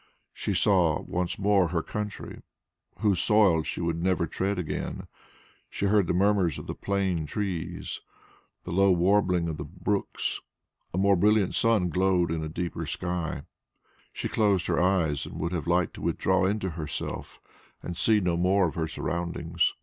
She saw once more her country, whose soil she would never tread again; she heard the murmurs of the plane trees, the low warbling of the brooks; a more brilliant sun glowed in a deeper sky; she closed her eyes and would have liked to withdraw into herself, and see no more of her surroundings.